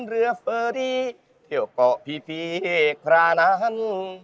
เดี๋ยวก็พีพระนั้น